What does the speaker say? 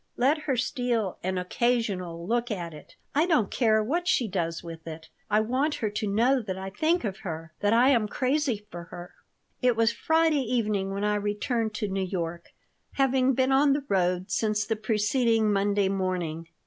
"Let her steal an occasional look at it. I don't care what she does with it. I want her to know that I think of her, that I am crazy for her." It was Friday evening when I returned to New York, having been on the road since the preceding Monday morning.